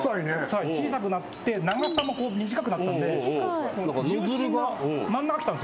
小さくなって長さも短くなったんで重心が真ん中来たんすよ。